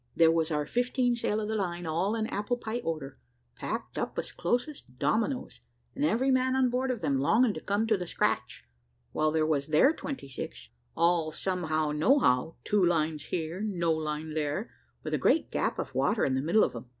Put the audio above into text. There was our fifteen sail of the line all in apple pie order, packed up as close as dominoes, and every man on board of them longing to come to the scratch; while there was their twenty six, all somehow nohow, two lines here, and no line there, with a great gap of water in the middle of them.